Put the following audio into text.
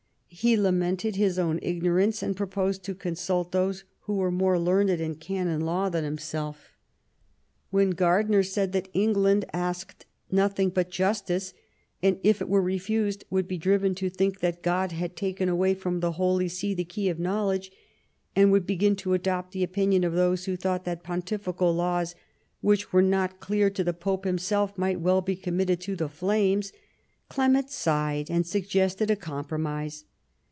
He lamented his own ignorance, and proposed to consult those who were more learned in canon law than himself. When Gardiner 164 THOMAS WOLSEY chap. said that England asked nothing but justice, and if it were refused would be driven to think that God had taken away from the Holy See the key of knowledge, and would begin to adopt the opinion of those who thought that pontifical laws, which were not clear to the Pope himself, might well be committed to the flames, Clement sighed, and suggested a compromise.